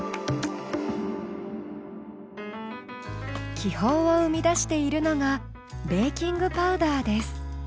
気泡を生み出しているのがベーキングパウダーです。